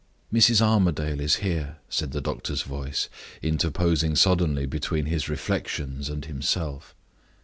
"Mrs. Armadale is here," said the doctor's voice, interposing suddenly between his reflections and himself.